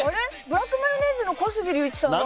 ブラックマヨネーズの小杉竜一さんは。